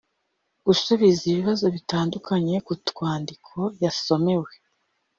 -gusubiza ibibazo bitandukanye ku twandiko yasomewe